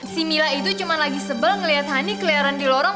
si mila itu cuma lagi sebel ngeliat honey kelihatan di lorong